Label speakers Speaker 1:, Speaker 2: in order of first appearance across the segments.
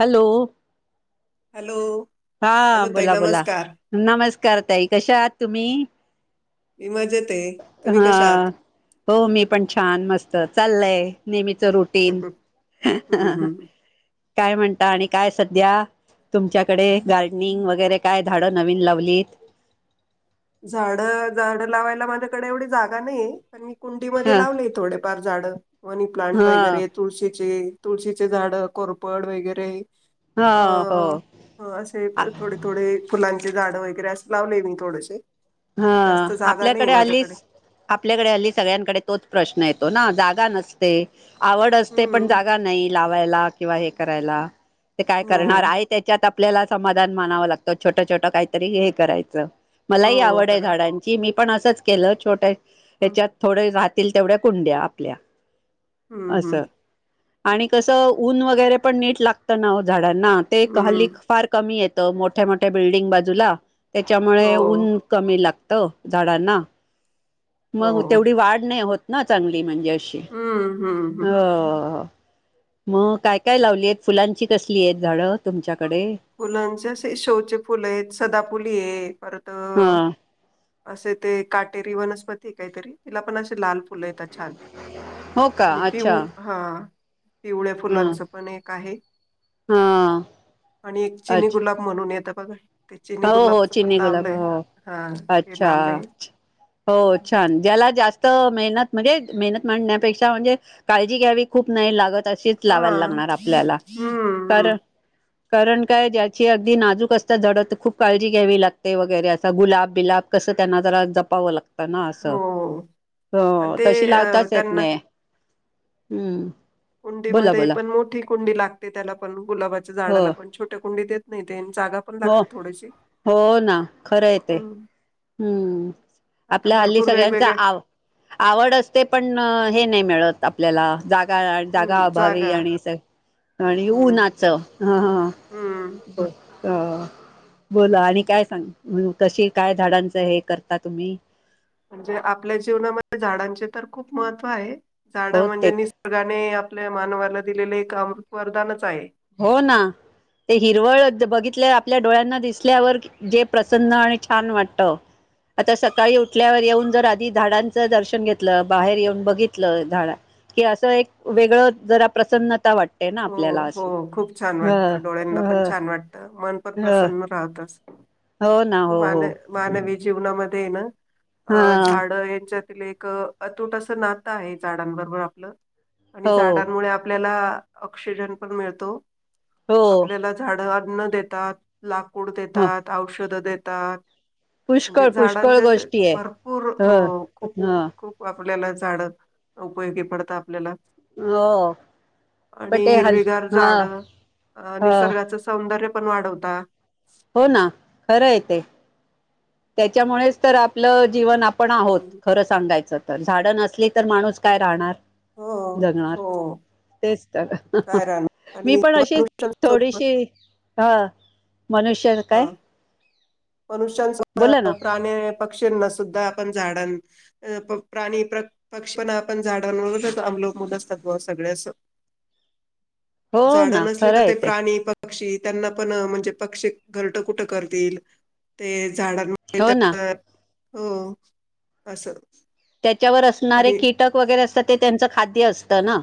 Speaker 1: Hello!
Speaker 2: Hello!
Speaker 1: हा
Speaker 2: hello ताई
Speaker 1: बोला बोला,
Speaker 2: नमस्कार.
Speaker 1: नमस्कार ताई कशा आहात तुम्ही?
Speaker 2: मी मजेत आहे. तुम्ही कशा आहात?
Speaker 1: हा हो मी पण छान मस्त चाललय नेहमीचं रूट टींग
Speaker 2: हम्म हम्म.
Speaker 1: काय म्हणता, आणि काय सध्या तुमच्या कडे गार्डनिंग, वगैरे काय झाडं नवीन लावलीत?
Speaker 2: झाडं, झाडं लावायला माझ्याकडे एवढी जागा नाही आणि मी कुंडी मध्ये
Speaker 1: ह
Speaker 2: लावले थोडेफार झाडं मनी प्लांट
Speaker 1: ह
Speaker 2: वगैरे तुळशीचे, तुळशीचे झाडं कोरपड वगैरे
Speaker 1: ह
Speaker 2: अ
Speaker 1: हो
Speaker 2: हा असेच थोडे थोडे फुलांचे झाड वगैरे असं लावले मी थोडसं
Speaker 1: हा आपल्याकडे आलीच आपल्याकडे हल्ली सगळ्यांकडे तोच प्रश्न येतो ना, जागा नसते आवड असते पण
Speaker 2: हम्म.
Speaker 1: जागा नाही लावायला किंवा हे करायला ते काय
Speaker 2: हो.
Speaker 1: करणार आहे त्याच्यात आपल्याला समाधान मानावं लागत. छोटं छोटं काहीतरी हे करायचं मलाही
Speaker 2: हो
Speaker 1: आवड आहे.
Speaker 2: बरं.
Speaker 1: झाडांची मी पण असंच केलं छोट्या
Speaker 2: हम्म
Speaker 1: ह्याच्यात थोड्या राहील तेवढ्या कुंड्या, आपल्या
Speaker 2: हम्म हम्म.
Speaker 1: असं आणि कसं ऊन वगैरे पण नीट लागतं ना वो झाडांना ते हल्ली
Speaker 2: हम्म.
Speaker 1: फार कमी येत मोठ्या मोठ्या बिल्डिंग बाजूला त्याच्यामुळे
Speaker 2: हो.
Speaker 1: ऊन कमी लागतं झाडांना मग
Speaker 2: हो.
Speaker 1: तेवढी वाढ नाही होत ना, चांगली म्हणजे अशी
Speaker 2: हम्म हम्म हम्म.
Speaker 1: हो मग काय काय लावलीयत? फुलांची कसलीयत झाडं तुमच्याकडे?
Speaker 2: फुलांचे असे शोचे फुलयत सदाफुलीय परत
Speaker 1: हा
Speaker 2: असे ते काटेरी वनस्पती काहीतरी तिला पण अशे लाल फुलं येतात, छान!
Speaker 1: हो का
Speaker 2: आणि
Speaker 1: अच्छा
Speaker 2: पिऊ हा पिवळ्या
Speaker 1: हा
Speaker 2: फुलांच पण एक आहे.
Speaker 1: हा
Speaker 2: आणि एक चिनी
Speaker 1: अच्छा
Speaker 2: गुलाब म्हणून येतं बघा? ते चिनी
Speaker 1: हो हो
Speaker 2: गुलाबच पण
Speaker 1: चिनी गुलाब
Speaker 2: लावलंय
Speaker 1: हो,
Speaker 2: हा ते
Speaker 1: अच्छा!
Speaker 2: लावलंय
Speaker 1: हो छान ज्याला जास्त त मेहनत म्हणजे, मेहनत मांडण्यापेक्षा म्हणजे काळजी घ्यावी खूप नाही लागत अशीच.
Speaker 2: हा
Speaker 1: लावायला लागणार आपल्याला, कार
Speaker 2: हम्म
Speaker 1: कारण काय ज्याची अगदी नाजूक असता झाडत खूप काळजी घ्यावी लागते वगैरे, आता गुलाब बिलाब कसं त्यांना जरा जपावं लाग त ना
Speaker 2: हो
Speaker 1: असं
Speaker 2: आणि ते
Speaker 1: तशी
Speaker 2: अ
Speaker 1: लावताच येत
Speaker 2: त्यांना
Speaker 1: ना हूं.
Speaker 2: कुंडीमध्ये, पण मोठी कुंडी लागते त्याला पण गुलाबाच्या
Speaker 1: हो
Speaker 2: झाडाला पण छोट्या कुंडी येत नही ते जागा पण
Speaker 1: हो,
Speaker 2: लागते थोडीशी
Speaker 1: हो ना खरंय ते.
Speaker 2: हम्म
Speaker 1: हूं
Speaker 2: आता
Speaker 1: आपल्या हल्ली
Speaker 2: भरपूर
Speaker 1: सगळ्यांचा
Speaker 2: वेगवेगळ्या
Speaker 1: आव आवड असते पण हे नाही मिळत आपल्याला. जागा, जागा अभावी आणि स आणि
Speaker 2: हम्म
Speaker 1: उन्हाच ह ह.
Speaker 2: हम्म
Speaker 1: ब. अ बोला, आणि काय सांग कशी काय झाडांचं हे करता तुम्ही?
Speaker 2: म्हणजे आपल्या जीवनामध्ये झाडांचे तर खूप महत्त्व आहे, झाड
Speaker 1: हो
Speaker 2: म्हणजे
Speaker 1: ते
Speaker 2: निसं र्गाने आपल्या मानवाला दिलेल एक अमृत वरदानच आहे.
Speaker 1: हो ना ते हिरवळ बघितल्या आपल्या डोळ्यांना दिसल्यावर जे प्रसन्न आणि छान वाटत. आता सकाळी उठल्यावर येऊन जर आधी झाडांचं दर्शन घेतलं, बाहेर येऊन बघितलं झाडा कि असं एक वेगळं जरा प्रसन्नता वाटते ना आपल्याला अशी. ह
Speaker 2: वाटत डोळ्यांना पण
Speaker 1: ह
Speaker 2: छान वाटत, मन पण
Speaker 1: ह
Speaker 2: प्रसन्न राहत असं
Speaker 1: हो ना हो
Speaker 2: मान
Speaker 1: हो
Speaker 2: मानवी जीवनामध्ये ये ना
Speaker 1: हा
Speaker 2: अ झाडं याच्यात तिल एक अतूट असं नातं आहे झाडांबरोबर आपलं. आणि
Speaker 1: हो
Speaker 2: झाडांमुळे आपल्याला ऑक्सिजन पण मिळतो
Speaker 1: हो
Speaker 2: आपल्याला झाड अन्न देतात, लाकूड
Speaker 1: ह
Speaker 2: देतात, औषधं देतात.
Speaker 1: पुष्कळ
Speaker 2: म्हणजे
Speaker 1: पुष्कळ
Speaker 2: झाडांचे असे
Speaker 1: गोष्टी आहे
Speaker 2: भरपूर
Speaker 1: ह
Speaker 2: हो खूप,
Speaker 1: ह
Speaker 2: खूप. आपरल्याला झाड उपयोगी पडता आपल्याला.
Speaker 1: हो! पण
Speaker 2: आणि
Speaker 1: ते हल
Speaker 2: हिरवीगार
Speaker 1: हा
Speaker 2: झाड, अ
Speaker 1: ह
Speaker 2: निसर्गाचं सौंदर्य पण वाढवता.
Speaker 1: हो ना खरं ये ते, त्याच्यामुळेच तर आपलं जीवन आप पण आहोत
Speaker 2: हम्म.
Speaker 1: खरं सांगायचं तर, झाडं नसली तर माणूस काय राहणार.
Speaker 2: हो
Speaker 1: जगणार
Speaker 2: हो
Speaker 1: तेच तर.
Speaker 2: काय राहणार.
Speaker 1: मी
Speaker 2: आणि
Speaker 1: पण अशी
Speaker 2: मनुष्यांसोबत
Speaker 1: थोडीशी ह मनुष्या.
Speaker 2: हा मनुष्यांस
Speaker 1: बोला ना
Speaker 2: [unintelligible] प्राणी पक्षींना सुद्धा आपण झाडां अ प प्राणी प्र पक्षपना आपण झाडांवरचं अवलंबुन असतात बा सगळे असं.
Speaker 1: हो
Speaker 2: झाड
Speaker 1: ना
Speaker 2: नसली
Speaker 1: खरं
Speaker 2: तर
Speaker 1: आहे
Speaker 2: ते प्राणी प क्षी त्यांना पण म्हणजे पक्षी घरटं कुठं करतील. ते झाडांमुळे [unintelligible]
Speaker 1: हो ना
Speaker 2: तर हो असं
Speaker 1: त्याच्यावर असणारे
Speaker 2: आणि
Speaker 1: कीटक वगैरे असतात, ते त्यांचं खाद्य असतं ना.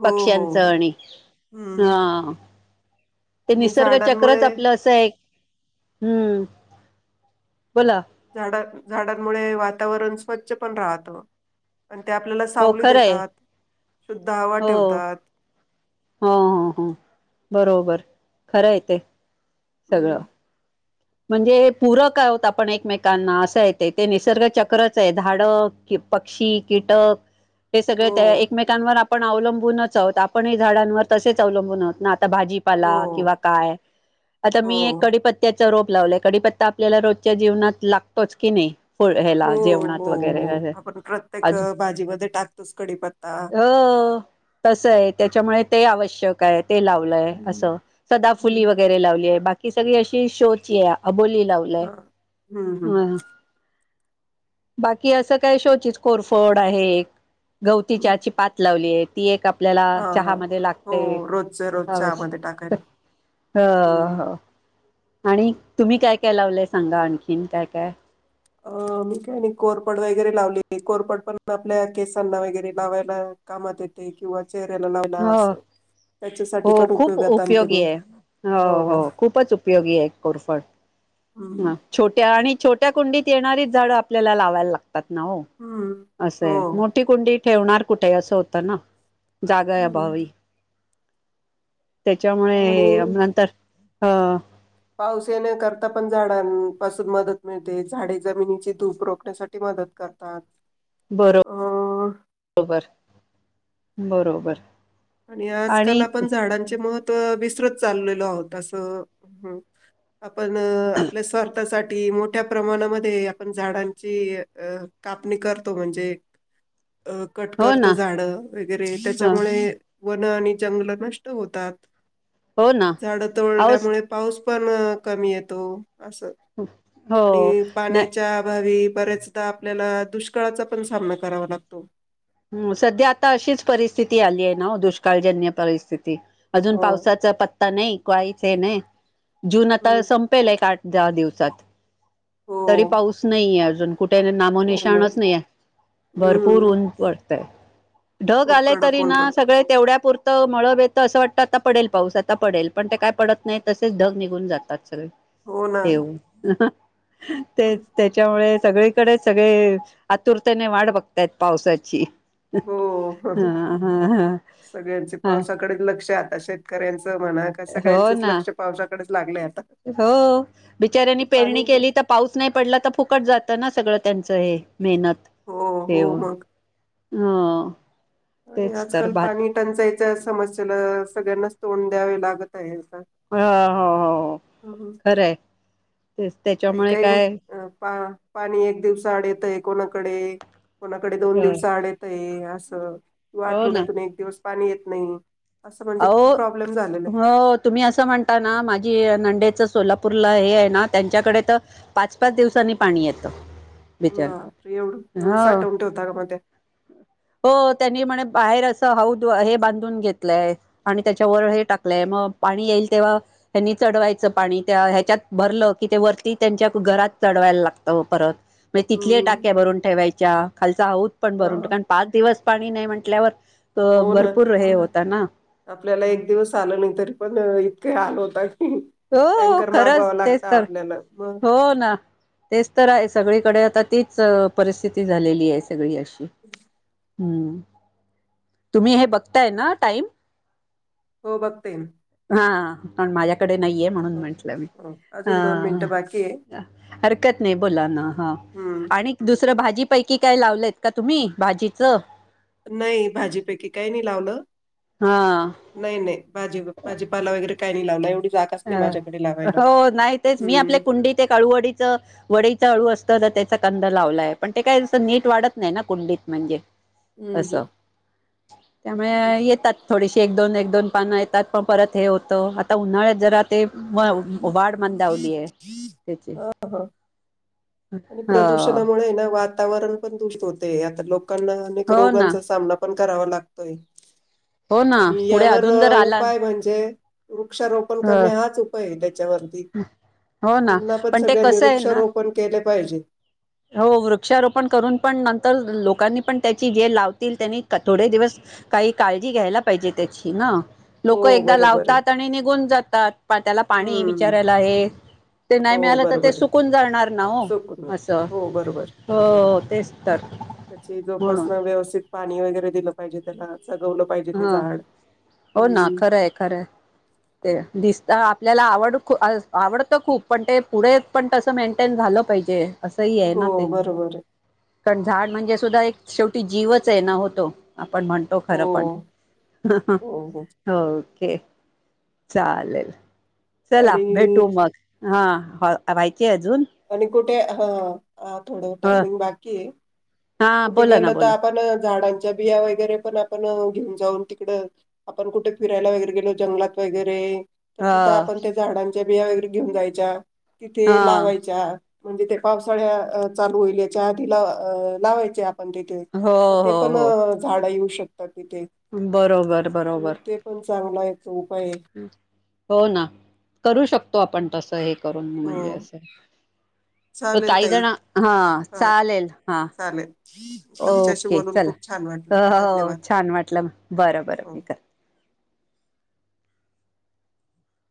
Speaker 2: हो हो
Speaker 1: पक्ष्यांचं
Speaker 2: हो
Speaker 1: आणि
Speaker 2: हम्म
Speaker 1: हा. ते
Speaker 2: आणि
Speaker 1: निसर्ग चक्रच
Speaker 2: झाडांमुळे
Speaker 1: आपलं असं आहे. हूं बोला!
Speaker 2: झाड, झाडांमुळे वातावरण स्वच्छ पण राहतं. अण ते आपल्याला
Speaker 1: हो
Speaker 2: सावली
Speaker 1: खरं आहे
Speaker 2: देतात शुद्ध हवा
Speaker 1: हो
Speaker 2: ठेवतात.
Speaker 1: हो हो हो, बरोबर खरं आहे ते.
Speaker 2: हम्म.
Speaker 1: सगळं. म्हणजे पूरक आहोत आपण एकमेकांना असं येते ते निसर्ग चक्रच आहे धाड कि पक्षी कीटक
Speaker 2: [inaudible]
Speaker 1: हे सगळे त्या एकमेकांवर आपण अवलंबूनच आहोत आपणही झाडांवर तसेच अवलंबून आहोत ना
Speaker 2: हो
Speaker 1: भाजीपाला किंवा काय आता
Speaker 2: हो
Speaker 1: मी क पत्त्या रोप लावलाय कडीी पत्ता आपल्याला रोजच्या जीवनात लागतोच की नाही फळ
Speaker 2: हो
Speaker 1: ह्याला
Speaker 2: हो
Speaker 1: जेवणात
Speaker 2: हो
Speaker 1: वगैरे
Speaker 2: आपण प्रत्येक भाजीमध्ये टाकतोच कडीपत्
Speaker 1: ह तस आहे त्याच्यामुळे ते आवश्यक आहे ते लावलंय
Speaker 2: हम्म
Speaker 1: असं सदा फुली
Speaker 2: हम्म
Speaker 1: वगैरे लावली आहे बाकी कि सगळी अशी शोच आहे अबोली लावलय
Speaker 2: हा हम्म हम्म
Speaker 1: ह बाकी असं काय शोची कोरफोड आहे
Speaker 2: हम्म
Speaker 1: गवतीच्याची प लावलीय ती एक आपल्याला
Speaker 2: हा हा
Speaker 1: चहामध्ये
Speaker 2: हो
Speaker 1: लागते
Speaker 2: रोजच रोज
Speaker 1: अवश
Speaker 2: चहामध्ये टाकायला
Speaker 1: हा
Speaker 2: हम्म
Speaker 1: हा आणि तुम्ही काय काय लावलंय सांगा आणखीन काय काय
Speaker 2: अ मी काय नाही कोरपड वगैरे लावले कोरपड पण आपल्या केसांना वगैरे लावायला कामात येते किंवा चेहऱ्याला लावला
Speaker 1: हो
Speaker 2: असं त्याच्यासाठी
Speaker 1: हो
Speaker 2: पण
Speaker 1: खूप
Speaker 2: उपयोगात आणते
Speaker 1: उपयोगी
Speaker 2: मी
Speaker 1: आहे हो हो खूपच उपयोगी आहे कोरफट
Speaker 2: हम्म
Speaker 1: ह छोट्या आणि छोट्या कुंडीत येणारीच झाडं आपल्याला लावायला लागतात ना हो
Speaker 2: हम्
Speaker 1: असंय मोठी कुंडी ठेवणार कुठे असं होतं ना जागा
Speaker 2: हम्म
Speaker 1: अभावी त्याच्यामुळे
Speaker 2: आणि
Speaker 1: हे नंतर हा
Speaker 2: पाऊस येण्याकरता पण झाडांपासून मदत मिळते झाडे जमिनीची धूप रोखण्यासाठी मदत करतात अ
Speaker 1: बरोबर बरोबर
Speaker 2: आणि आजकाल आपण झाडांचे महत्त्व विसरत चाललेलो आहोत असं आपण आपल्या स्वार्थासाठी मोठ मोठ्या प्रमाणामध्ये आपण झाडांची कापणी करतो म्हणजे अ कट
Speaker 1: हो
Speaker 2: करतो
Speaker 1: ना
Speaker 2: झाडं वगैरे
Speaker 1: ह
Speaker 2: त्याच्यामुळे वन आणि जंगल, नष्ट होतात.
Speaker 1: हो ना
Speaker 2: झाडं
Speaker 1: अवस
Speaker 2: तोडल्यामुळे. पाऊस पण कमी येतो असं
Speaker 1: हो
Speaker 2: आणि पाण्याच्या अभावी बरेच आपल्याला दुष्काळाचा पण सामना करावा लागतो
Speaker 1: हम्, सध्या आता अशीच परिस्थिती आली आहे. नाओ, दुष्काळजन्य परिस्थिती. अजून,
Speaker 2: हो.
Speaker 1: पावसाचा पत्ता नाही. काहीच हे नाही, जून
Speaker 2: हम्म.
Speaker 1: आता संपेल एक आठ दहा दिवसांत.
Speaker 2: हो,
Speaker 1: तरी, पाऊस नाहीेये आजून. कुठे,
Speaker 2: हो ना.
Speaker 1: नामोनिशाणच नाही आहे. भरपूर
Speaker 2: हम्म.
Speaker 1: ऊंन, पडतंय. ढग
Speaker 2: खूप
Speaker 1: आले.
Speaker 2: कडक
Speaker 1: तरी
Speaker 2: ऊन
Speaker 1: ना,
Speaker 2: पडतं.
Speaker 1: सगळे तेवढ्यापुर त, मळभ येत. असं वाटतं. आता पडेल पाऊस, आता पडेल. पण ते काय, पडत नाही. तसेच ढग, निघून जातात सगळे.
Speaker 2: हो ना.
Speaker 1: येऊ, तेच त्या त्याच्यामुळे. सगळीकडे सगळे आतुरतेने, वाट बघतायत पावसाची.
Speaker 2: हो.
Speaker 1: हा.. हा.. हा.. हा.
Speaker 2: कडक लक्ष आता, शेतकऱ्यांच म्हणा. का?
Speaker 1: हो
Speaker 2: सगळ्यांचंच
Speaker 1: ना
Speaker 2: लक्ष, पावसाकडेच लागलंय आता.
Speaker 1: हो.. बिचाऱ्यांनी
Speaker 2: पाणी
Speaker 1: पेरणी केली तर पाऊस नाही पडला. तर फुकट जात ना, सगळं त्यांचं हे, मेहनत.
Speaker 2: हो हो
Speaker 1: हेऊन
Speaker 2: मग
Speaker 1: हा.
Speaker 2: आणि आजकाल पाणी टंचायच्या समस्येला सगळ्यांनाच तोंड द्यावे लागत आहेच ना?
Speaker 1: ह हो हो खराय तेच
Speaker 2: काही
Speaker 1: त्याच्यामुळे
Speaker 2: काही
Speaker 1: काय?
Speaker 2: अ, पा पाणी एक दिवसा आड येतय. कोणाकडे, कोणाकडे दोन
Speaker 1: हो
Speaker 2: दिवसाआड ये ते असं किंवा
Speaker 1: ना
Speaker 2: आठवड्यातून एक दिवस पाणी येत नाही. असं म्हणजे
Speaker 1: अहो
Speaker 2: खूप प्रॉब्लेम झालेले.
Speaker 1: हो तुम्ही असं म्हणता ना, माझी नंदेचं सोलापूरला हे आहे ना त्यांच्याकडे तर पाच-पाच दिवसांनी पाणी येतं. बिचार
Speaker 2: बाप रे! एवढं एवढं
Speaker 1: हो
Speaker 2: साठऊंन ठेवता का? मग ते.
Speaker 1: हो त्यांनी म्हणे बाहेर असं हाऊद व हे बांधून घेतलंय. आणि त्याच्यावर हे टाकलंय मग पाणी येईल तेव्हा ह्यानी चढवायचं पाणी. त्या ह्याच्यात भरलं की, ते वरती त्यांच्या घरात चढवायला लागतं परत. म्हणजे, तिथल्या
Speaker 2: हम्म
Speaker 1: टाक्या भरून ठेवायच्या. खालचा हाऊद पण भरून ठेवाय
Speaker 2: हा
Speaker 1: कारण पाच दिवस पाणी नाही म्हटंल्यावर अ
Speaker 2: हो ना.
Speaker 1: भरपूर हे होता ना?
Speaker 2: आपल्याला एक दिवस आलं नाही तरी पण, इतके हालं होतात की
Speaker 1: हो ओ
Speaker 2: टँकर
Speaker 1: खरंच
Speaker 2: मागवावा
Speaker 1: तेच
Speaker 2: लागता
Speaker 1: तर
Speaker 2: आपल्याला मग
Speaker 1: हो ना. तेच तर आहे. सगळीकडे आता तीच परिस्थिती झालेली आहे सगळी अशी. हम्म् तुम्ही हे बघताय ना? टाईम.
Speaker 2: हो बघते ना.
Speaker 1: हा पण माझ्याकडे नाहीये, म्हणून
Speaker 2: हो
Speaker 1: म्हंटलं मी.
Speaker 2: हो.
Speaker 1: ह
Speaker 2: अजून दोन
Speaker 1: ह
Speaker 2: मिनिटं बाकी आहे
Speaker 1: हरकत नाही बोला ना ह
Speaker 2: हम्म
Speaker 1: आणि दुसरं भाजीपैकी काय लावलंयत का तुम्ही? भाजीचं.
Speaker 2: नाही भाजीपैकी काही नाही लावलं.
Speaker 1: हा.
Speaker 2: नाही-नाही भाजी भाजीपाला वगैरे काही नाही लावला. एवढी जागा असते माझ्याकडे
Speaker 1: अ
Speaker 2: लावायला
Speaker 1: हो नाही तेच मी
Speaker 2: हम्म
Speaker 1: आपल्या कुंडीत एक आळुवडीच वडीचा अळू असतो ना? त्याचा कांद लावलाय. पण ते कायं नीट वाढत नाही ना? कुंडीत म्हणजे
Speaker 2: हम्म
Speaker 1: अस.
Speaker 2: हम्म, हम्म.
Speaker 1: त्यामुळे येतात. थोडीशी एक-दोन, एक-दोन पानं येतात. पण परत हे होतं, आता उन्हाळ्यात जरा ते व वाढ मंदावली आहे त्याची
Speaker 2: अ ह आणि
Speaker 1: हो
Speaker 2: प्रदूषणामुळे ना वात वातावरण पण दूषीत होतय. आता लोकांना अनेक
Speaker 1: हो ना
Speaker 2: रोगांचा सामना पण करावा लागतोय.
Speaker 1: हो ना
Speaker 2: आणि
Speaker 1: पुढे
Speaker 2: यावर
Speaker 1: अजून जर आला
Speaker 2: उपाय म्हणजे वृक्षारोपण
Speaker 1: ह
Speaker 2: करणे, हाच उपाय आहे. त्याच्यावरती.
Speaker 1: हो ना
Speaker 2: पुन्हां पण
Speaker 1: ते
Speaker 2: सगळ्यांनी
Speaker 1: कसं आहे ना
Speaker 2: वृक्षारोपण केले पाहिजे.
Speaker 1: हो वृक्षारोपण करून पण नंतर लोकांनी पण त्याची जे लावतील त्यांनी थोडे दिवस काही काळजी, घ्यायला पाहिजे त्याची ना. लोक
Speaker 2: हो
Speaker 1: एकदा
Speaker 2: बरोबर आहे.
Speaker 1: लावतात आणि निघून जातात. त्याला पाणी
Speaker 2: हम्म.
Speaker 1: विचारायला हे, ते नाही
Speaker 2: हो
Speaker 1: मिळालं तर ते
Speaker 2: बरोबर आहे.
Speaker 1: सुकून जाणार ना ओ.
Speaker 2: चुकून. हो बरोबर-बरोबर
Speaker 1: तेच तर
Speaker 2: त्याची
Speaker 1: म्हणून
Speaker 2: जोपासना व्यवस्थित पाणी वगैरे दिलं पाहिजे त्याला जगवलं पाहिजे ते झाड हम्
Speaker 1: हे खरय. ते दिसत आपल्याला आवड -आवडतं खूप पण ते पुढे पण तसं मेंटेन झालं पाहिजे. असं ही हाय
Speaker 2: हो
Speaker 1: ना ते
Speaker 2: बरोबर आहे.
Speaker 1: कारण झाड म्हणजे सुद्धा एक शेवटी जीवच आहे ना ओ तो आपण म्हण. तो
Speaker 2: हो.
Speaker 1: खर पण अ ह
Speaker 2: हो, हो.
Speaker 1: ओके. चालेल चला
Speaker 2: आणि
Speaker 1: भेटू मग हा व्हायचे अजून
Speaker 2: आणि कुठे ह आ थोडं
Speaker 1: ह
Speaker 2: टायमिंग बाकी आहे.
Speaker 1: हा
Speaker 2: कुठे
Speaker 1: बोला ना
Speaker 2: गेलं तर
Speaker 1: बोला
Speaker 2: आपण झाडांच्या बिया वगैरे पण आपण घेऊन जाऊन तिकड आपण कुठे फिरायला वगैरे गेलो जंगलात वगैरे तर
Speaker 1: ह
Speaker 2: तिथं आपण त्या झाडांच्या बिया वगैरे घेऊन जायच्या
Speaker 1: हा
Speaker 2: तिथे लावायच्या म्हणजे ते पावसाळ्या चालू होईल याच्या आधी ला लावायचे आपण ते
Speaker 1: हो
Speaker 2: मग ते
Speaker 1: हो
Speaker 2: पण
Speaker 1: हो
Speaker 2: झाडं येऊ शकतात तिथे
Speaker 1: बरोबर
Speaker 2: हम्म,
Speaker 1: बरोबर.
Speaker 2: ते पण चांगला एक उपाय आहे
Speaker 1: हो ना करू शकतो आपण तसं एक ून
Speaker 2: हो
Speaker 1: म्हणजे अस
Speaker 2: चालेल
Speaker 1: काही
Speaker 2: ताई
Speaker 1: जण हा चालेल हा.
Speaker 2: ह.
Speaker 1: ओके चला
Speaker 2: धन्यवाद
Speaker 1: छान वाटलं बरं बरं
Speaker 2: हो
Speaker 1: मी कर.